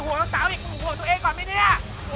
ก็มันซอมบี้นะกูยิ่งดีกว่าจะให้มันเดินแชร์อะไรไงแล้ว